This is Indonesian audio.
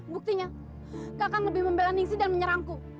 buktinya kakak lebih membela ningsi dan menyerangku